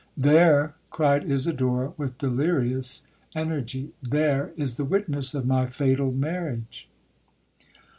'There!' cried Isidora with delirious energy—'There is the witness of my fatal marriage!'